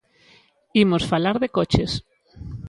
Imos falar de coches.